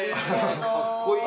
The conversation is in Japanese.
かっこいいな。